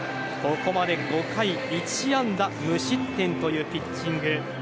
ここまで５回１安打無失点というピッチング。